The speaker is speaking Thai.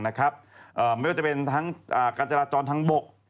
ไม่ว่าจะเป็นกาญจาระจรทางบก